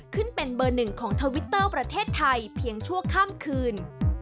ขึ้นเป็นเบอร์หนึ่งของทวิตเตอร์ประเทศไทยเพียงชั่วข้ามคืน